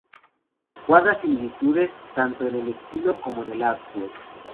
Guarda similitudes tanto en el estilo como en el artwork.